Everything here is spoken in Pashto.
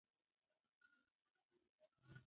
پوهاند باید د ټولنې حقایق په سمه توګه بیان کړي.